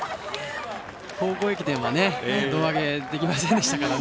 高校駅伝は胴上げできませんでしたからね。